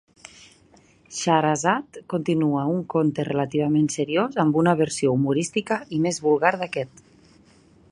Xahrazad continua un conte relativament seriós amb una versió humorística i més vulgar d'aquest.